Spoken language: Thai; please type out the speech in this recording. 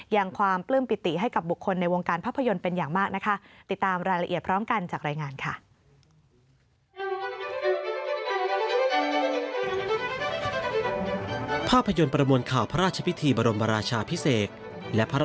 ยังความปลื้มปิติให้กับบุคคลในวงการภาพยนตร์เป็นอย่างมากนะคะ